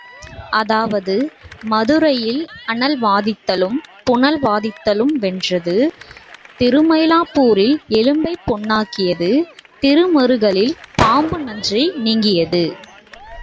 அதாவது மதுரையில் அனல் வாதத்திலும் புனல் வாதத்திலும் வென்றது திருமயிலாப்பூரில் எலும்பைப் பெண்ணாக்கியது திருமருகலில் பாம்பு நஞ்சை நீக்கியது.